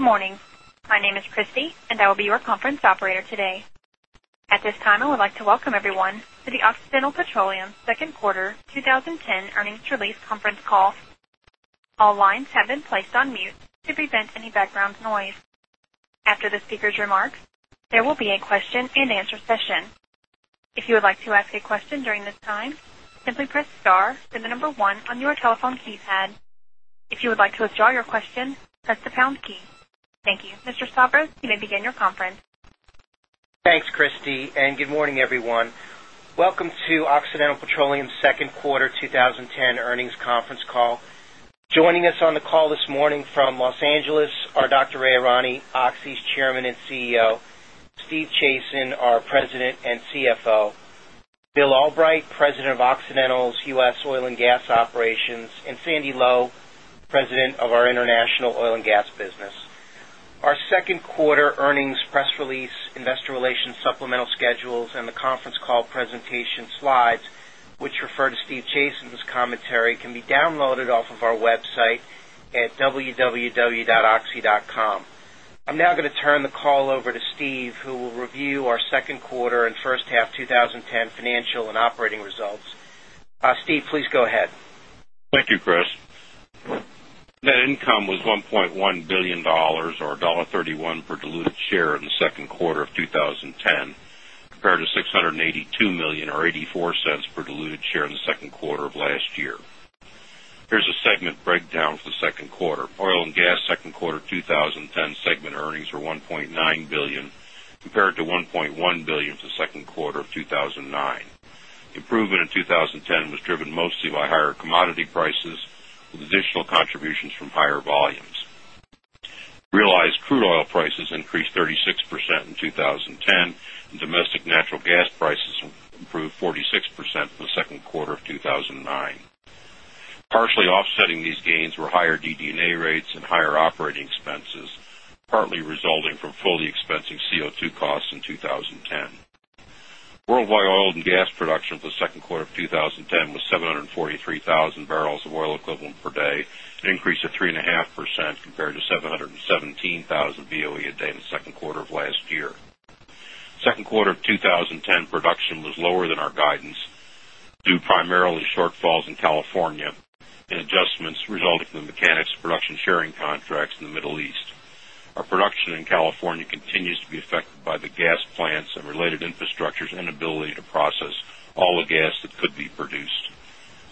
Morning. My name is Christie, and I will be your conference operator today. At this time, I would like to welcome everyone to the Occidental Petroleum Second Quarter 2010 Earnings Release Conference Call. All lines have been placed on mute to prevent any background noise. After the speakers' remarks, there will be a question and answer session. Mr. Stavros, you may begin your conference. Thanks, Christy, and good morning, everyone. Welcome to Occidental Petroleum's Q2 2010 earnings conference call. Joining us on the call this morning from Los Angeles are Doctor. Ray Irani, Oxy's Chairman and CEO Steve Chasen, our President and CFO Bill Albright, President of Occidental's U. S. Oil and Gas Operations and Sandy Lowe, Lowe, President of our International Oil and Gas Business. Our 2nd quarter earnings press release, Investor Relations supplemental schedules and the conference call presentation slides, which refer to Steve Jason's commentary, can be downloaded off of our Web site at www.oxy.com. I'm now going to turn the call over to Steve, who will review our Q2 and first half twenty ten financial and operating results. Steve, please go ahead. Thank you, Chris. Net income was $1,100,000,000 or $1.31 per diluted share in the Q2 of 2010 compared to 6 $82,000,000 or $0.84 per diluted share in the Q2 of last year. Here's a segment breakdown for the 2nd quarter. Oil and Gas 2nd quarter 20 ten segment earnings were $1,900,000,000 compared to $1,100,000,000 for the Q2 of 2,009. Improvement in 2010 was driven mostly by higher commodity prices with additional contributions from higher volumes. Realized crude oil prices increased 36% in 20 10 and domestic natural gas prices improved 46% in the Q2 of 2019. Partially offsetting these gains were higher DD and A rates and higher operating expenses, partly resulting from fully expensing CO2 costs in 2010. Worldwide oil and gas production for the Q2 of 20 10 was 743,000 barrels of oil equivalent per day, an increase of 3.5% compared to 717,000 BOE a day in the Q2 of last year. Q2 of 2010 production was lower than our guidance due primarily to shortfalls in California and adjustments resulting from the mechanics production sharing contracts in the Middle East. Our production in California continues to be affected by the gas plants and related infrastructure's inability to process all the gas that could be produced.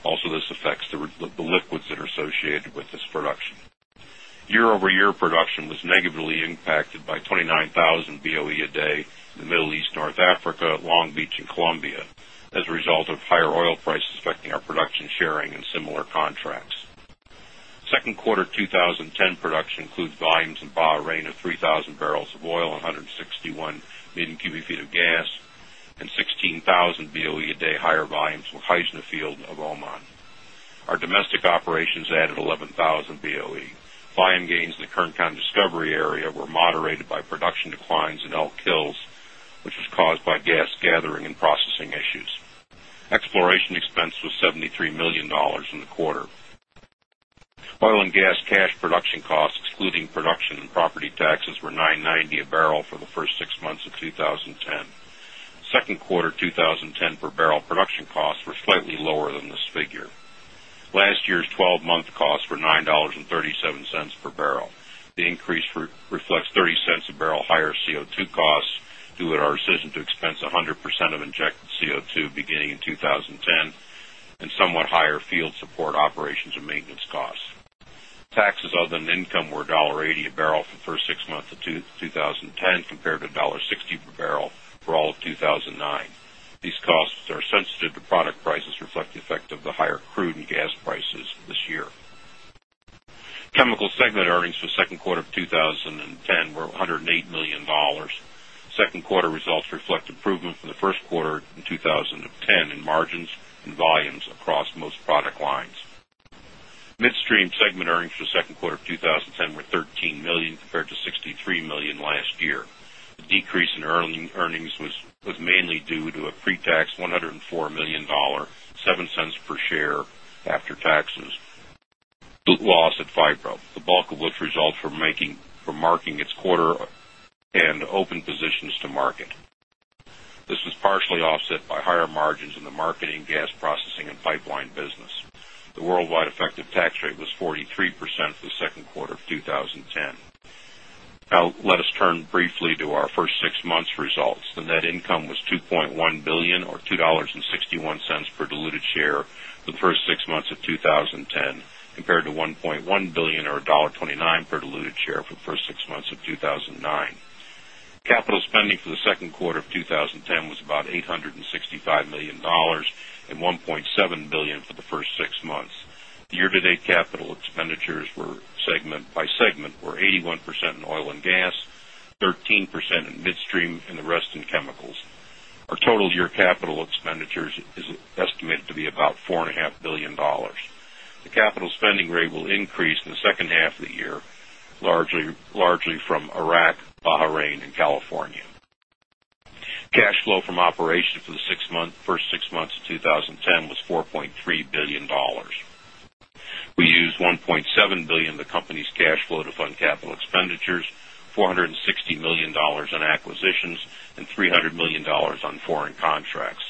Also this affects the liquids that are associated with this production. Year over year production was negatively impacted by 29,000 BOE a day in the Middle East, North Africa, Long Beach and Colombia as a result of higher oil price affecting our production sharing and similar contracts. 2nd quarter 2010 production includes volumes in Bahrain of 3,000 barrels of oil and 161,000,000 cubic feet of gas and 16,000 BOE a day higher volumes were high in the field of Oman. Our domestic operations added 11,000 BOE. Volume gains in the Kerncon discovery area were moderated by production declines in Elk Hills, which was caused by gas gathering and processing issues. Exploration expense was $73,000,000 in the quarter. Oil and gas and property taxes were $9.90 a barrel for the 1st 6 months of 20 10. 2nd quarter Last year's 12 month costs were $9.37 per barrel. The increase reflects $0.30 a barrel higher CO2 costs due to our decision to expense a 100% of injected CO2 beginning in 2010 and somewhat higher field support operations and maintenance costs. Taxes other than income were $1.80 a barrel for the 1st 6 months of 2010 compared to $1.60 per barrel for all of 2,009. These costs are sensitive to product prices reflect the effect of the higher crude and gas prices this year. Chemical segment earnings for Q2 of 2010 were $108,000,000 2nd quarter results reflect improvement from the Q1 in 2019 in margins and volumes across most product lines. Midstream segment earnings for the Q2 of 2010 were $13,000,000 compared to $63,000,000 last year. The decrease in earnings was mainly due to a pre tax 100 and $1,000,000 $0.07 per share after taxes. Boot loss at Fibro, the bulk of which results from marking its quarter and open positions to market. This was partially offset by higher margins in the marketing gas processing and pipeline business. The worldwide effective tax rate was 43% for the Q2 of 2010. Now let us turn briefly to our first 6 months results. The net income was $2,100,000,000 or $2.61 per diluted share for the 1st 6 months of 2010 compared to 1 $100,000,000 or $1.29 per diluted share for the 1st 6 months of 2,009. Capital spending for the Q2 of 2010 was about $865,000,000 $1,700,000,000 for the 1st 6 months. The year to date capital expenditures were segment by segment were estimated to be about $4,500,000,000 The capital spending estimated to be about $4,500,000,000 The capital spending rate will increase in the second half of the year largely from Iraq, Bahrain and California. Cash flow from operations for the 6 months 1st 6 months of 2010 was $4,300,000,000 We used $1,700,000,000 of the company's cash flow to fund capital expenditures, dollars 460,000,000 on acquisitions, and three $100,000,000 on foreign contracts.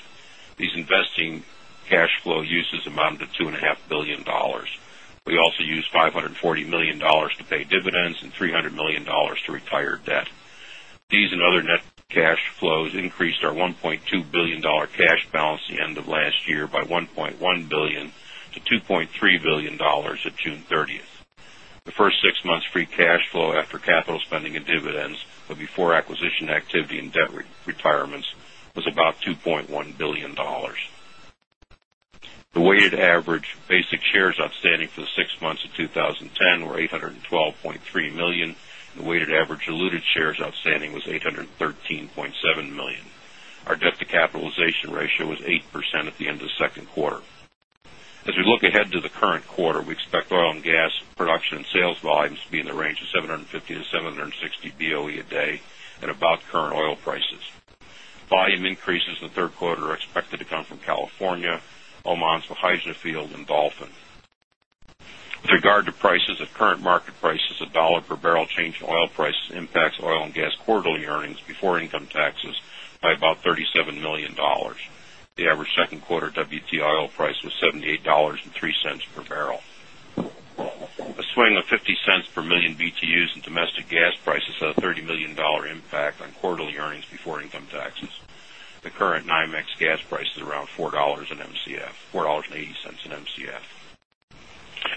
These investing cash flow uses amounted to $2,500,000,000 We also used $540,000,000 to pay dividends and $300,000,000 to retire debt. These cash flows increased our $1,200,000,000 cash balance at the end of last year by $1,100,000,000 to $2,300,000,000 at June 30. The 1st 6 months free cash flow after capital spending and dividends, but before acquisition activity and debt retirements about $2,100,000,000 The weighted average basic shares outstanding for the 6 months of 2010 were 812,300,000 and weighted average diluted shares outstanding was 813,700,000. Our debt to capitalization ratio was 8 percent at the end of the 2nd quarter. As we look ahead to the current quarter, we expect oil and gas production sales volumes to be in the range of 750 Boe to 760 Boe a day at about current oil prices. Volume increases in the 3rd quarter are expected to come from California, Omaha's, the Hygiene field and Dolphin. With regard to prices of current market prices, dollars 1 per barrel change in oil prices impacts oil and gas earnings before income taxes by about $37,000,000 The average second quarter WTI oil price was $78.03 per barrel. A swing of $0.50 per 1,000,000 BTUs in domestic gas prices had a $30,000,000 impact on quarterly earnings before income taxes. The current NYMEX gas price is around $4 an Mcf $4.80 an Mcf.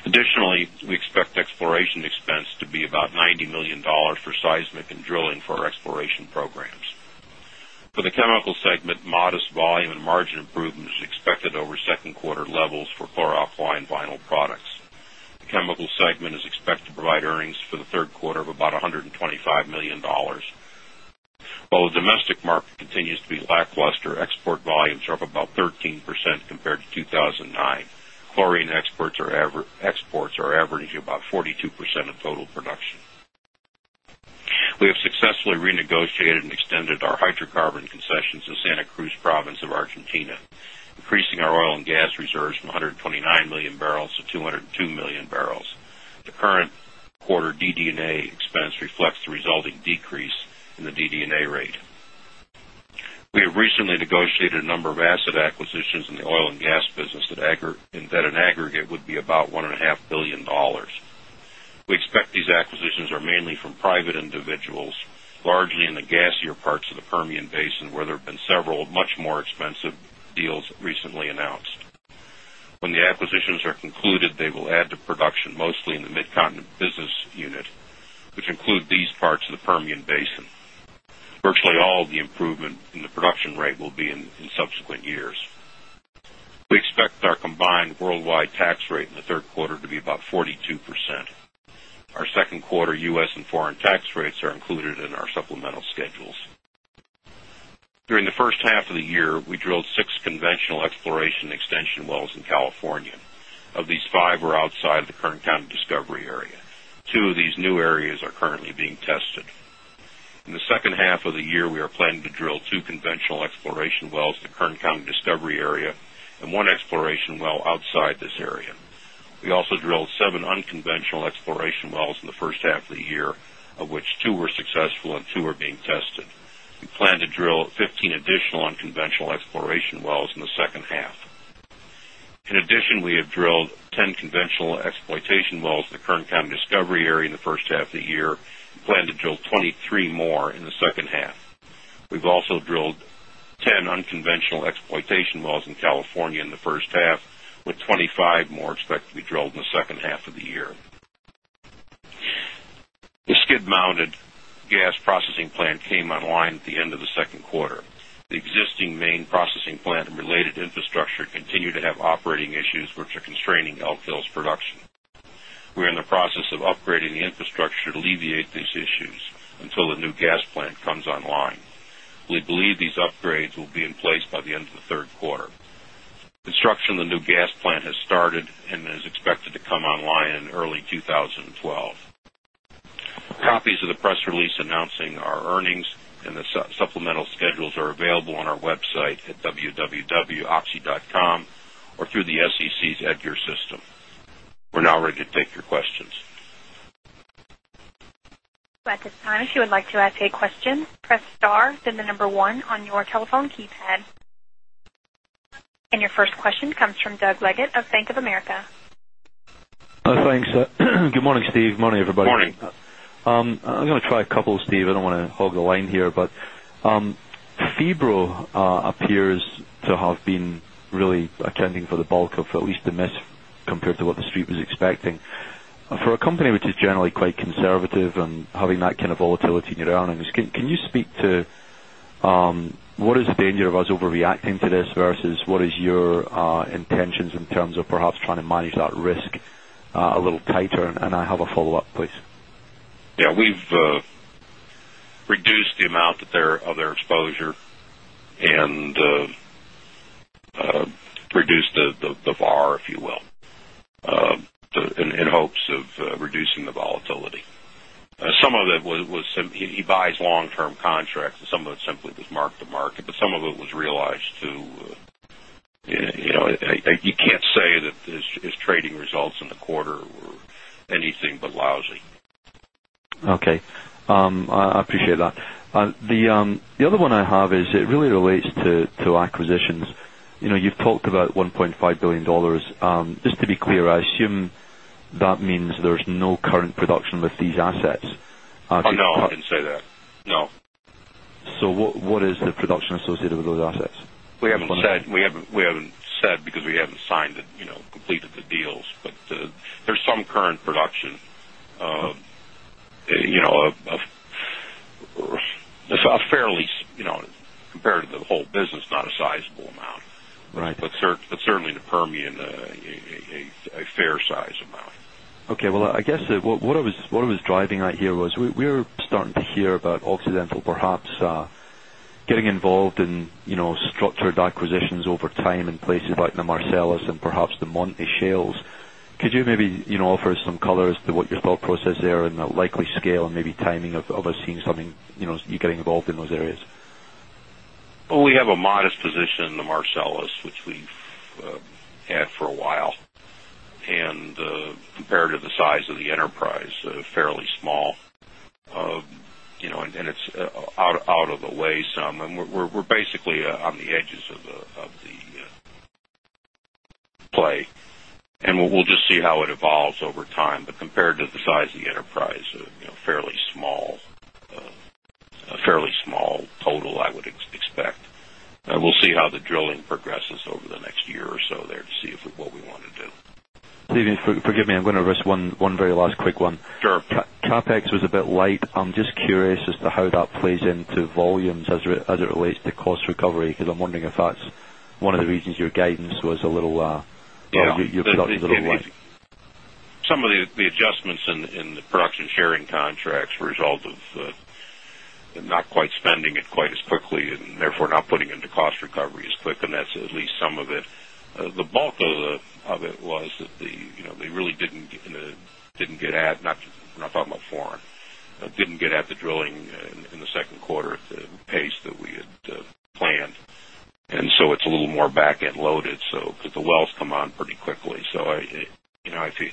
Additionally, we expect exploration expense to be about $90,000,000 for seismic and drilling for exploration programs. For the Chemical segment, modest volume and margin improvement is expected over 2nd quarter levels for chlor alkali and vinyl products. The Chemical segment is expected to provide earnings for the Q3 of about $125,000,000 While the domestic market continues to be lackluster, export volumes are up about 13% compared to 2,009. Chlorine exports are averaging about 42% of total production. We have successfully renegotiated and extended our hydro concessions in Santa Cruz province of Argentina, increasing our oil and gas reserves from 129,000,000 barrels to 202,000,000 barrels. The current quarter DD and A expense reflects the resulting decrease in the DD and A rate. We have recently A rate. We have recently negotiated a number of asset acquisitions in the oil and gas business that in aggregate would be about $1,500,000,000 We expect these acquisitions are mainly from private individuals, largely in the gassier parts of the Permian Basin where there have been several much more expensive deals recently announced. When the acquisitions are concluded, they will add to production mostly in the Mid Continent business unit, which include these parts of the Permian Basin. Virtually all the improvement in the production rate will be in subsequent years. We expect our combined worldwide tax rate in the Q3 to be about 42%. Our 2nd quarter U. S. And foreign tax rates are included in our supplemental schedules. During the first half of the year, we drilled 6 conventional exploration extension wells in California. Of these, 5 were outside of the Kern County discovery area. 2 of these new areas are currently being tested. In the second half of the year, we are planning to drill 2 conventional exploration wells to Kern County discovery area and 1 exploration well outside this area. We also drilled 7 unconventional exploration wells in the first half of the year, of which 2 were successful and 2 are being tested. We plan to drill 15 additional unconventional exploration wells in the second half. In addition, we have drilled 10 conventional exploitation wells in the Kern County discovery area in the first half of the year and plan to drill 23 more in the second half. We've also drilled 10 unconventional exploitation wells in California in the first half with 25 more expected to be drilled in the second half of the year. The skid mounted gas processing plant came online at the end of the second quarter. The existing main processing plant and related infrastructure continue to have operating issues, which are constraining Elk Hill's production. We are in the process of upgrading the infrastructure to alleviate these issues until the new gas plant comes online. We believe these upgrades will be in place by the end of the Q3. Construction of the new gas plant has started and is expected to come online in early 2012. Copies of the press release announcing our earnings and the supplemental schedules are available on our website at www.opsi. Com or through the SEC's EDGAR system. We're now ready to take your questions. And your first question comes from Doug Leggate of Bank of America. Thanks. Good morning, Steve. Good morning, everybody. Good morning. I'm going to try a couple, Steve. I don't want to hog the line here, but FEBRO appears to have been really attending for the bulk of at least the miss compared to what the Street was expecting. For a company which is generally quite conservative and having that kind of volatility in your earnings, can you speak to what is the danger of us overreacting to this versus what is your intentions in terms of perhaps trying to manage that risk a little tighter? And I have a follow-up please. Yes. We've reduced the amount of their exposure and reduce the bar, if you will, in hopes of reducing the volatility. Some of it was he buys long term contracts and some of it simply was mark to market, but some of it was realized to you can't say that this trading results in the quarter were anything but lousy. Okay. I appreciate that. The other one I have is it really relates to acquisitions. You've talked about $1,500,000,000 Just to be clear, I assume that means there's no current production with these assets. No, I didn't say that. No. So what is the production associated with those assets? We haven't said because we haven't signed it, completed the deals, but there's some current production of fairly compared to the whole business, not a sizable amount. But certainly in the Permian, a fair size amount. Okay. Well, I guess what I was driving at here was we're starting to hear about Occidental perhaps getting involved in structured acquisitions over time in places like the Marcellus and perhaps the Montney shales. Could you maybe offer us some color as to what your thought process there and the likely scale and maybe timing of us seeing something you getting involved in those areas? We have a modest position in the Marcellus, which we've had for a while. And compared to the size of the enterprise, fairly small. And it's out of the way some and we're basically on the edges of the play. And we'll just see how it evolves over time, but compared to the size of the enterprise, fairly small total, I would expect. We'll see how the drilling progresses over the next year or so there to see if what we want to do. Steve, forgive me. I'm going to risk one very last quick one. Sure. CapEx was a bit light. I'm just curious as to how that into volumes as it relates to cost recovery, because I'm wondering if that's one of the reasons your guidance was a little some of the adjustments in the production sharing contracts result of not quite spending it quite as quickly and therefore putting into cost recovery as quick and that's at least some of it. The bulk of it was that they really get at not talking about foreign, didn't get at the drilling in the Q2 at the pace that we had planned. And so it's a little more back end loaded, so because the wells come on pretty quickly. So I see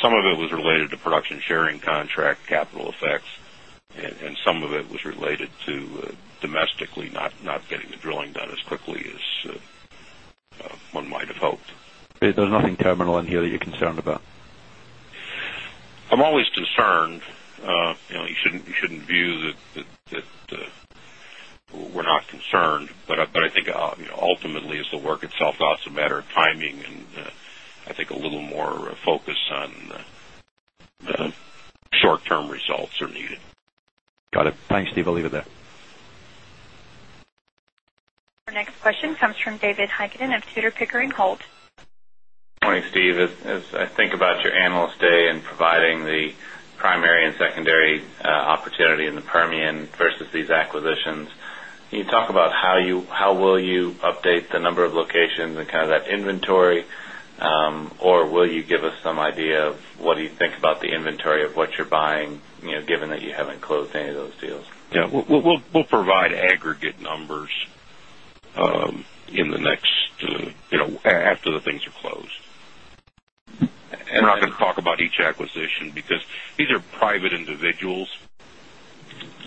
some of it was related to production sharing contract capital effects and some of it was related to domestically not getting the drilling done as quickly as one might have hoped. There is nothing terminal in here that you're concerned about? I'm always concerned. You shouldn't view that we're not concerned, but I think ultimately as the work itself also matter of timing and I think a little more focus on the short term results are needed. Got it. Thanks, Steve. I'll leave it there. Our next question comes from David Heikkinen of Tudor, Pickering, Holt. Good morning, Steve. As I think about your Analyst Day and providing the primary and secondary opportunity in the Permian versus these acquisitions, can you talk about how will you update the number of locations and kind of that inventory? Or will you give us some idea of what do you think about the inventory of what you're buying given that you haven't closed any of those deals? Yes. We'll provide aggregate numbers in the next after the things are closed. And I can talk about each acquisition because these are private individuals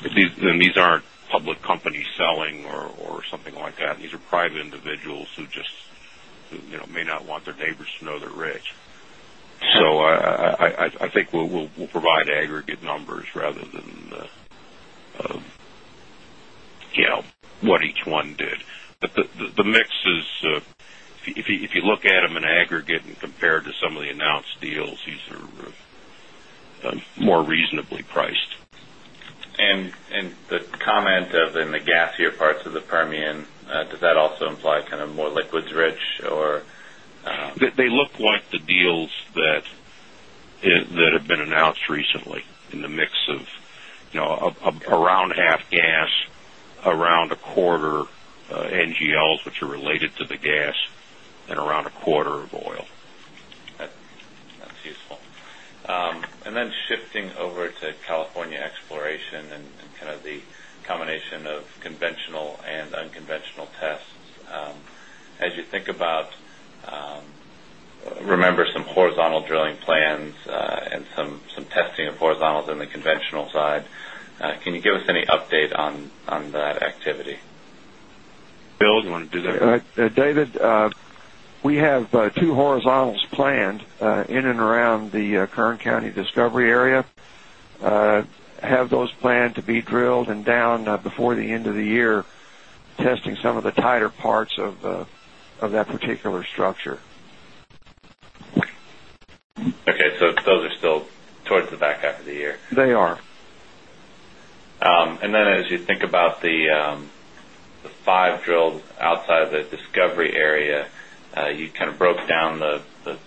and these aren't public companies selling or something like that. These are private individuals who just may not want their neighbors to know they're rich. So I think we'll provide aggregate numbers rather than what each one did. But the mix is if you look at them in aggregate and compare to some of the announced deals, these are more reasonably priced. And the comment of in the gassier parts of the Permian, does that also imply kind of more liquids rich or? They look like the deals that have been announced recently in the mix of around half gas, around a quarter NGLs, which are related to the gas and around a quarter of oil. That's useful. And then shifting over to California exploration and kind of the combination of conventional and unconventional tests. As you think about, remember some horizontal drilling plans and some testing of horizontals in the conventional side, can you give us any update on that activity? Bill, do you want to do that? David, we have 2 horizontals planned in and around the Kern County discovery area, have those planned to be drilled and down before the end of the year, testing some of the tighter parts of that particular structure. Okay. So those are still towards the back half of the year? They are. And then as you think about the five drills outside of the discovery area, you kind of broke down the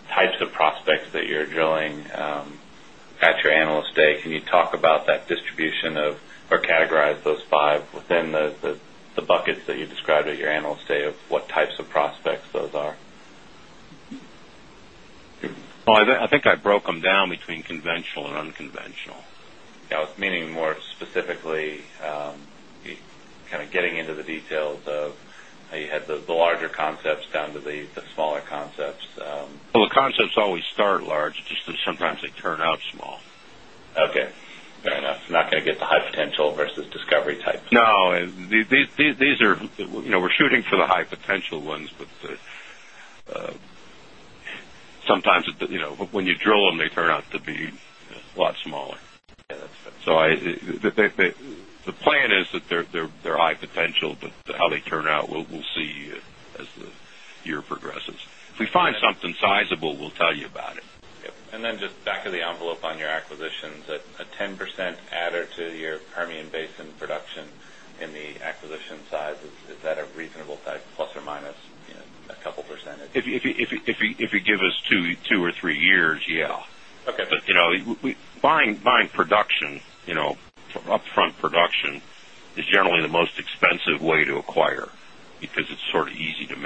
types of prospects that you're drilling at your Analyst Day. Can you talk about that distribution of or categorize those 5 within the buckets that you described at your Analyst Day of what types of prospects those are? I think I broke them down between conventional and unconventional. Yes, meaning more specifically kind of getting into the details of how you had the larger concepts down to the smaller concepts. Well, concepts always start large, just sometimes they turn out small. Okay, fair enough. Not going to get the high potential versus discovery type? No. These are we're shooting for the high potential ones, but sometimes sometimes when you drill them, they turn out to be a lot smaller. So the plan is that they're high potential, but how they turn out, we'll see as the year progresses. If we find something sizable, we'll tell you about it. And then just back of the envelope on your acquisitions, a 10% adder to your Permian Basin production in the acquisition size, is that a reasonable type plus or minus a couple percentage? If you give us 2 or 3 years, yes. But buying production, upfront production is generally the most expensive way to acquire because it's sort of easy to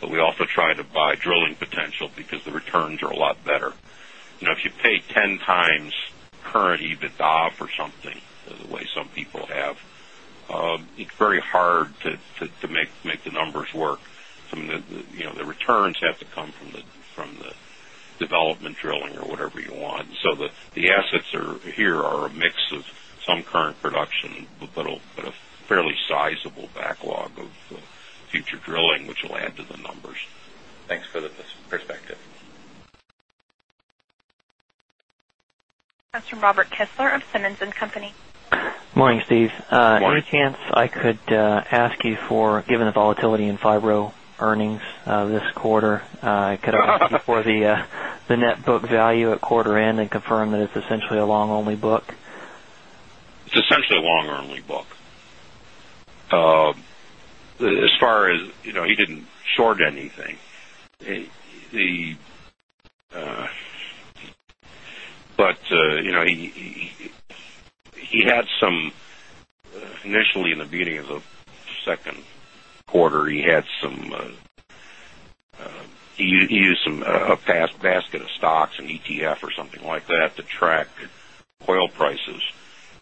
but we also try to buy drilling potential, because the returns are a lot better. But we also try to buy drilling potential because the returns are a lot better. If you pay 10 times current EBITDA for something the way some people have, it's very hard to make the numbers work. The returns have to come from the development drilling or whatever you want. So the assets here are a mix of some current production, but a fairly sizable backlog of future drilling, which will add to the numbers. Thanks for the perspective. Next from Robert Kessler of Simmons and Company. Good morning, Steve. Good morning. Any chance I could ask you for given the volatility in fibro earnings this quarter, I could ask you for the net book value at quarter end and confirm that it's essentially a long only book? It's essentially a long only book. As far as he didn't short anything. But he had some initially in the beginning of the second quarter, he had some he used some a basket of stocks and ETF or something like that to track oil prices.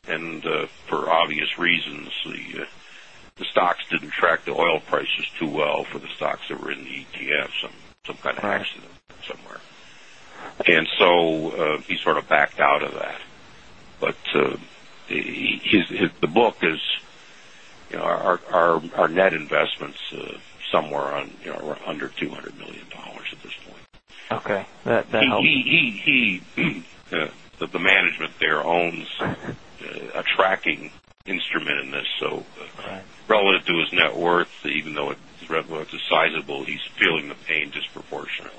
And for obvious reasons, the stocks didn't track the oil prices too well for the stocks that were in the ETF, kind of accident somewhere. And so he sort of backed out of that. But the book is our net investments somewhere under $200,000,000 at this point. Okay. That helps. He the management there owns a tracking instrument in this. So relative to his net worth, even though it's sizable, he's feeling the pain disproportionately.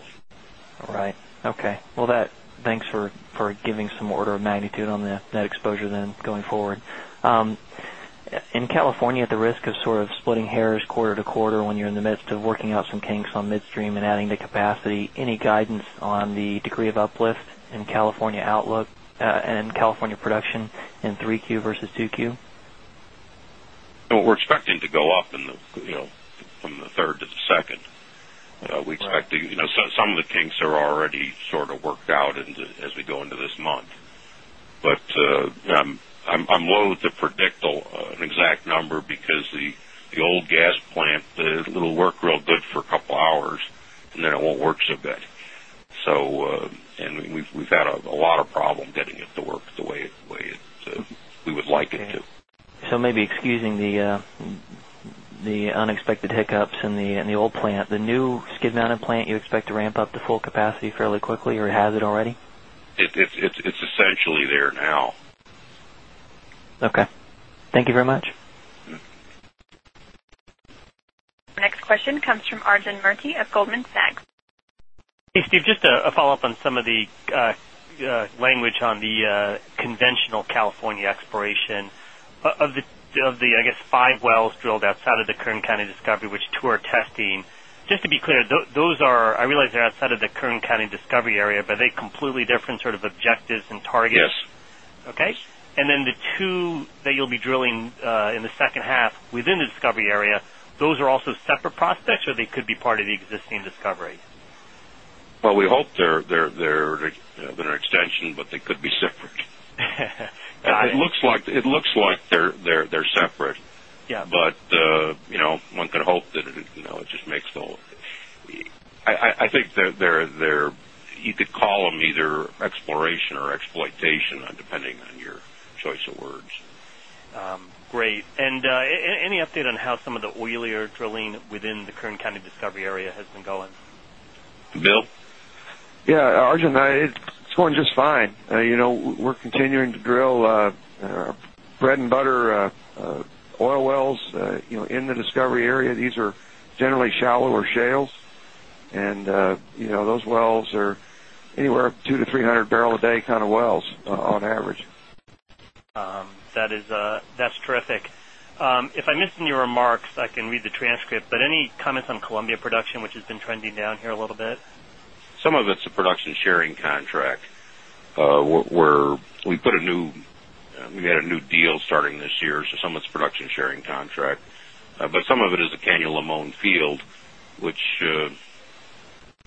All right. Okay. Well that thanks for giving some order of magnitude on that exposure then going forward. In California at the risk of sort of splitting hairs quarter to quarter when you're in the midst of working out some kinks on midstream and adding the capacity, any guidance on the degree of uplift in California outlook and California production in 3Q versus 2Q? We're We expect We're expecting some of the kinks are already sort of worked out as we go into this month. But I'm willing to predict an exact number because the old gas plant, it will work real good for a couple of hours and then it won't work so good. So and we've had a lot of problem getting it to work the way we would like it to. So maybe excusing the unexpected hiccups in the old plant, the new Skid Mountain plant you expect to ramp up to full capacity fairly quickly or has it already? It's essentially there now. Okay. Thank you very much. Next question comes from Arjun Murti of Goldman Sachs. Hey, Steve. Just a follow-up on some of the language on the conventional California exploration. Of the, I guess, Kern County discovery, which 2 are testing. Just to be clear, those are I realize they're outside of the Kern County discovery area, but they completely different sort of objectives and targets? Yes. Okay. And then the 2 that you'll be drilling in the second half within the discovery area, those are also separate prospects or they could be part of the existing discovery? Well, we hope they're an extension, but they could be separate. It looks like they're separate. But one can hope that it just makes the whole I think they're you could call them either exploration or exploitation depending on your choice of words. Great. And any update on how some of the oilier drilling within the Kern County discovery area has been going? Bill? Yes. Arjun, it's going just fine. We're continuing to drill bread and butter oil wells in the discovery area. These are generally shallower shales and those wells are anywhere 200 to 300 barrel a day kind of wells on average. That's terrific. If I missed in your remarks, I can read the transcript, but any comments on Columbia production, which has been trending down here a little bit? Some of it's a production sharing contract. We put a new we had a new deal starting this year, so some of it's production sharing contract. But some of it is the Canyon Limon field, which is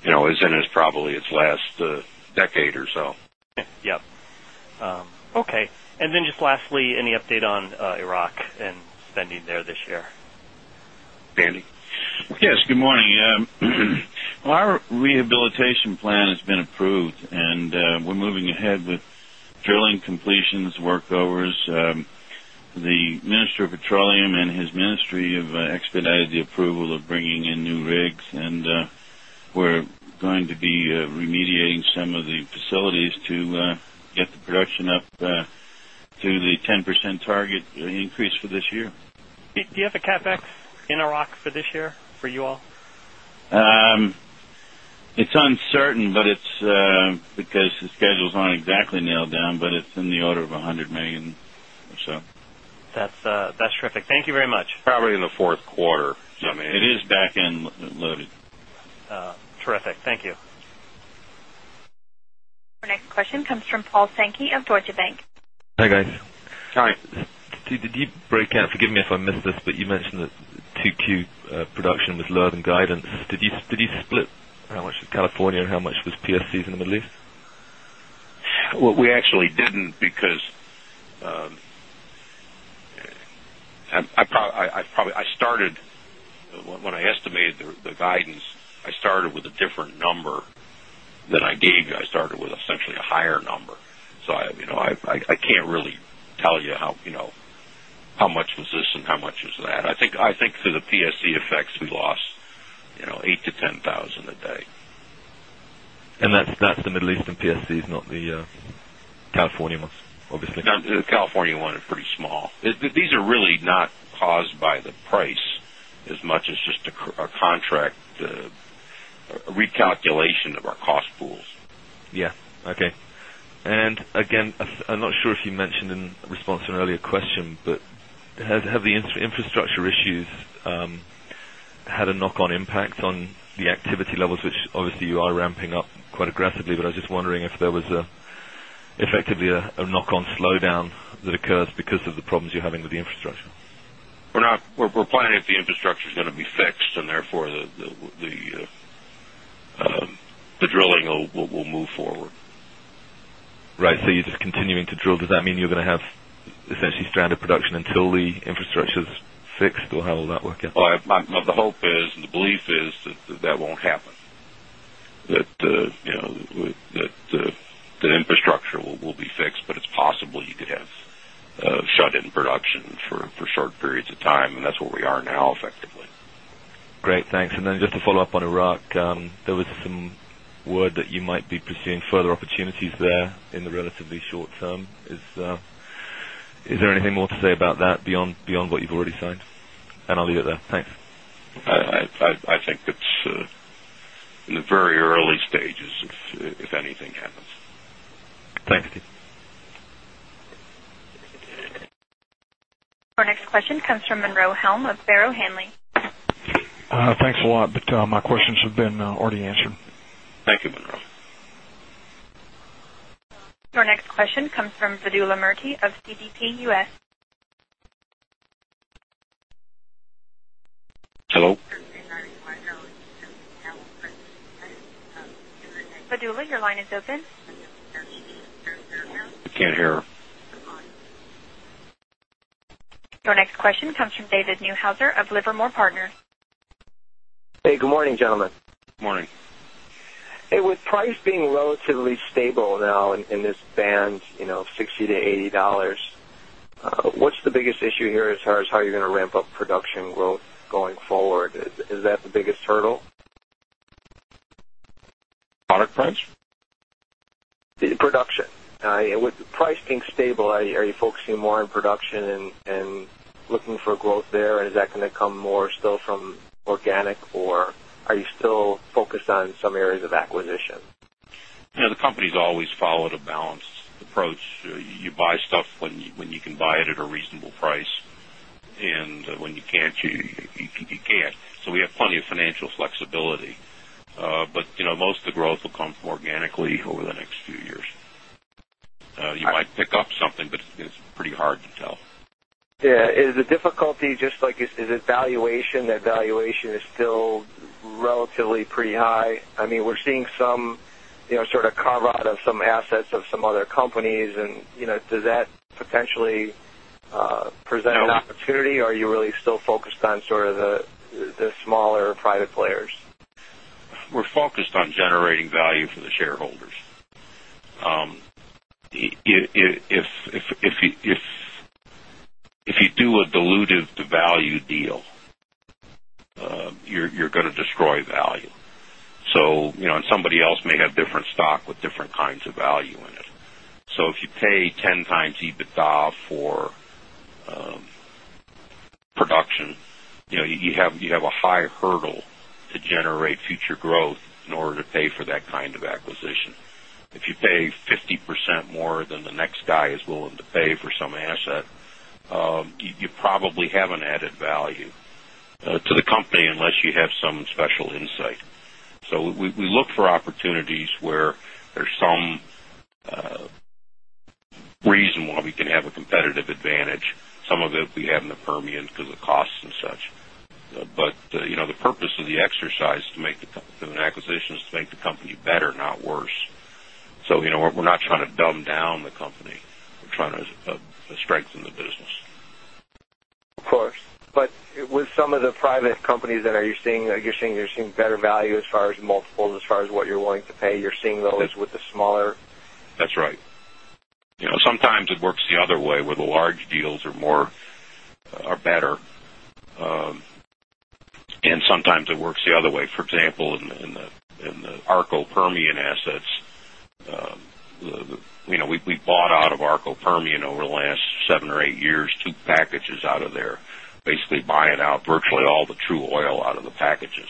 in probably its last decade or so. Yes. Okay. And then just lastly, any update on Iraq and spending there this year? Andy? Yes. Good morning. Our rehabilitation plan has been approved and we're moving ahead with drilling completions workovers. Remediating some of the facilities to get the production up to the 10% target increase for this year. Do you have a CapEx in Iraq for this year for you all? It's uncertain, but it's because the schedules aren't down, but it's in the order of $100,000,000 or so. That's terrific. Thank you very much. Probably in the Q4. It is back end loaded. Terrific. Thank you. Our next question comes from Paul Sankey of Deutsche Bank. Hi, guys. Hi. Steve, did you break out, forgive me if I missed this, but you mentioned that 2Q production was lower than guidance. Did you split how much was California and how much was PSCs in the Middle East? Well, we actually didn't because I probably I started when I estimated the guidance, I started with a different number than I gave you. I started with essentially a higher number. So I can't really tell you how much was this and how much was that. I think through the PSC effects, we lost $8,000 to $10,000 a day. And that's the Middle East and PSCs, not the California ones obviously? The California one is pretty small. These are really not caused by the price as much as just a contract recalculation of our cost pools. Yes. Okay. And again, I'm not sure if you mentioned in response to an earlier question, but have the infrastructure issues had a knock on impact on the activity levels, which obviously you are ramping up quite aggressively. But I was just wondering if there was effectively a knock on slowdown that occurs because of the problems you're having with the infrastructure. We're not. We're planning if the infrastructure is going to be fixed and therefore the drilling will move forward. Right. So you're just continuing to drill. Does that mean you're going to have essentially stranded production the infrastructure is fixed or how will that work out? Well, the hope is and the belief is that that won't happen, that the infrastructure will be fixed, but it's possible you could have shut in production for short periods of time and that's where we are now effectively. Great. Thanks. And then just a follow-up on Iraq. There was some word that you might be pursuing further opportunities there in the relatively short term. Is there anything more to say about that beyond what you've already signed? And I'll leave it there. Thanks. I think it's in the very early stages if anything happens. Thanks, Steve. Your next question comes from Monroe Helm of Bairo Hanley. Thanks a lot. But my questions have been already answered. Thank Monroe. Your next question comes from Vedula Murti of CDP U. S. Hello? Vedula, your line is open. I can't hear her. Your next question comes from David Neuhauser of Livermore Partners. Hey, good morning, gentlemen. Good morning. Hey, with price being relatively stable now in this band $60 to $80 What's the biggest issue here as far as how you're going to ramp up production growth going forward? Is that the biggest hurdle? Product French? Production. With the pricing stable, are you focusing more on production and looking for growth there? Is that going to come more still from organic? Or are you still focused on some areas of acquisition? The company has always followed a balanced approach. You buy stuff when you can buy it at a reasonable price and when you can't, you can't. So, we have plenty of financial flexibility. But most of the growth will come organically over the next few years. You might pick up something, but it's pretty hard to tell. Yes. Is the difficulty just like is it valuation, valuation is still relatively pretty high? I mean, we're seeing some sort of carve out of some assets of some other companies. And does that potentially present an opportunity or are you really still focused on sort of the smaller private players? We're focused on generating value for the shareholders. If you do a dilutive value deal, you're going to destroy value. So and somebody else may have different stock with different kinds of value in it. So if you pay 10 times EBITDA for production, you have a high hurdle to generate future growth in order to pay for that kind of acquisition. If you pay 50% more than the next guy is willing to pay for some asset, you probably have an added value to the company unless you have some special insight. So we look for opportunities where there's some reason why we can have a competitive advantage. Some of it we have in the Permian because of costs and such. But the purpose of the exercise to make the an acquisition is to make the company better not worse. So we're not trying to dumb down the company. We're trying to strengthen the business. Of course. But with some of the private companies that are you seeing you're seeing better value as far as multiples, as far as what you're willing to pay, you're seeing those with the smaller? That's right. Sometimes it works the other way where the large deals are more are better. And sometimes it works the other way. For example, in the Arco Permian assets, we bought out of Arco Permian over the last 7 or 8 years, 2 packages out of there, basically buying out virtually all the true oil out of the packages.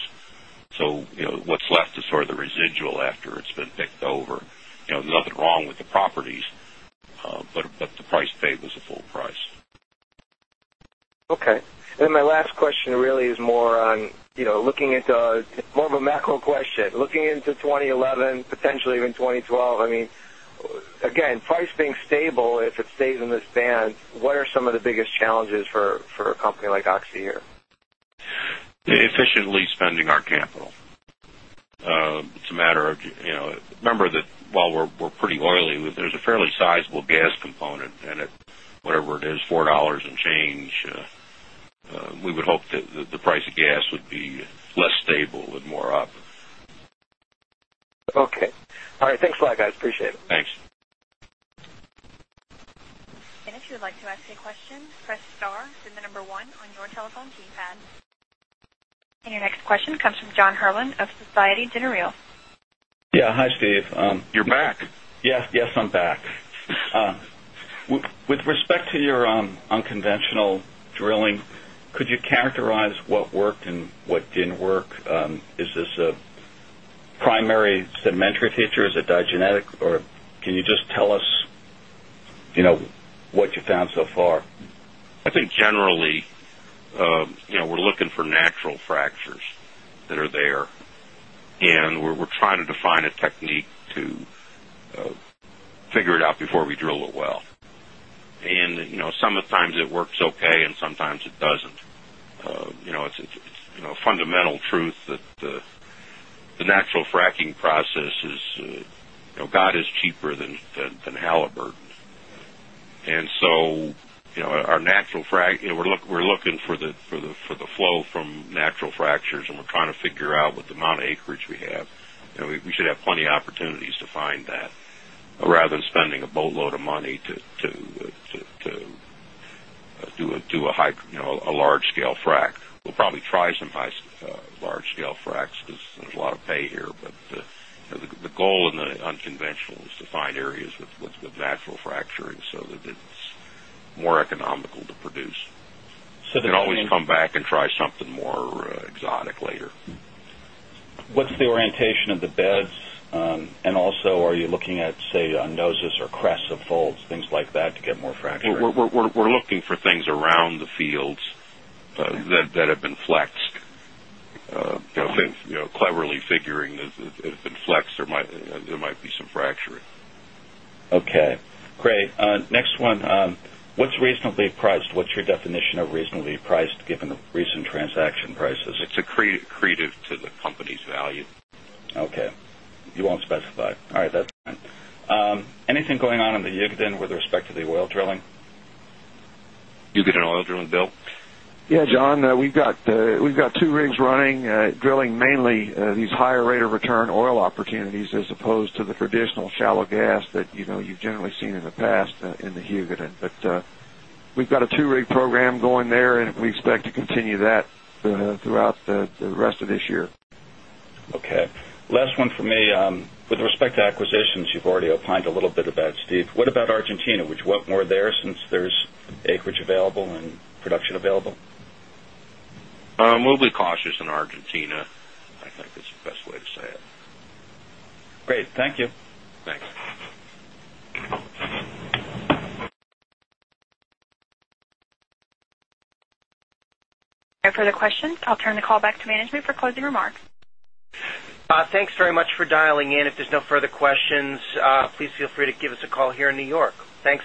So what's left is sort of the residual after it's been picked over. Nothing wrong with the properties, but the price paid was a full price. Okay. And then my last question really is more on looking at more of a macro question. Looking into 2011 potentially even 2012. I mean, again, price being stable, if it stays in the stand, what are some of the biggest challenges for a company like Oxy here? Efficiently spending our capital. It's a matter of remember that while we're pretty oily, there's a fairly sizable gas component and whatever it is $4 and change, we would hope that the price of gas would be less stable and more. Okay. All right. Thanks a lot guys. Appreciate it. Thanks. And your next question comes from John Herrlin of Societe Generale. Yes. Hi, Steve. You're back. Yes, yes, I'm back. Feature? Is it diagenetic? Or can you just tell us what you found so far? I think define a technique to figure it out before we drill a well. And some of the times it works okay and sometimes it doesn't. It's a fundamental truth that the natural fracking process is God is cheaper than Halliburton. And so our natural we're looking for the flow from natural fractures and we're trying to figure out what the amount of acreage we have. We should have plenty opportunities to find that rather than spending a boatload of money to do a large scale frac. We'll probably try some large scale fracs because there's a lot of pay here. But the goal in the unconventional is to find areas with natural fracturing so that it's more economical to produce. You can always come back and try something more exotic later. What's the orientation of the beds? And also are you looking at say noses or crests of folds, things like that to get more fracture? We're looking for things around the fields that have been flexed, cleverly figuring that it's been flexed or there might be some fracturing. Okay, great. Next one, what's reasonably priced? What's your definition of reasonably priced given the recent transaction prices? It's accretive to the company's value. Okay. You won't specify. All right. That's fine. Anything going on in the Yigatin with respect to the oil drilling? Yigatin oil drilling, Bill? Yes, John. We've got 2 rigs running, drilling mainly these higher rate of return oil opportunities as opposed to the traditional shallow gas that you've generally seen in the past in the Huguenen. But we've got a 2 rig program going there and we expect to continue that throughout the rest of this year. Okay. Last one for me. With respect to acquisitions, you've already opined a little bit of that, Steve. What about Argentina? Which work more there since there's acreage available and production available? We'll be cautious in Argentina. I think that's the best way to say it. Great. Thank you. Thanks. No further questions. I'll turn the call back to management for closing remarks. Thanks very much for dialing in. If there's no further questions, please feel free to give us a call here in New York. Thanks